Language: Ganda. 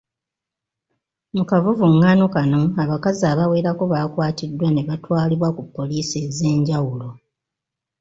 Mukavuvungano kano abakazi abawerako bakwatiddwa ne batwalibwa ku poliisi ez'enjawulo.